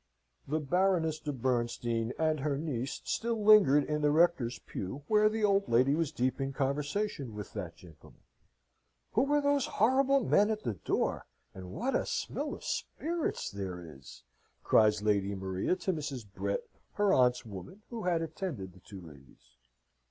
The Baroness de Bernstein and her niece still lingered in the rector's pew, where the old lady was deep in conversation with that gentleman. "Who are those horrible men at the door? and what a smell of spirits there is!" cries Lady Maria, to Mrs. Brett, her aunt's woman, who had attended the two ladies.